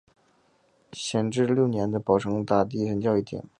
咸丰六年的保生大帝神轿一顶。